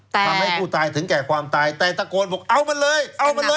ทำให้ผู้ตายถึงแก่ความตายแต่ตะโกนบอกเอามันเลยเอามันเลย